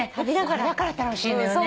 これだから楽しいのよね。